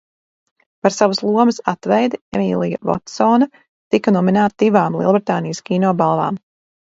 Par savas lomas atveidi Emilija Votsone tika nominēta divām Lielbritānijas kino balvām.